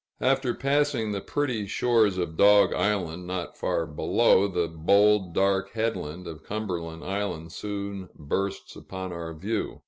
After passing the pretty shores of Dog Island, not far below, the bold, dark headland of Cumberland Island soon bursts upon our view.